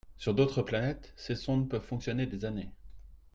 Sur d’autres planètes, ces sondes peuvent fonctionner des années.